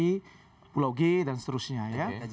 terkait dengan reklamasi pulau g dan seterusnya ya